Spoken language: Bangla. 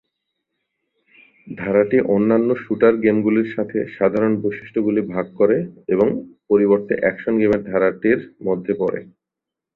ধারাটি অন্যান্য শ্যুটার গেমগুলির সাথে সাধারণ বৈশিষ্ট্যগুলি ভাগ করে এবং পরিবর্তে অ্যাকশন গেমের ধারাটির মধ্যে পড়ে।